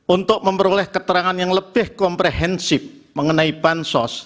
untuk memperoleh keterangan yang lebih komprehensif mengenai bansos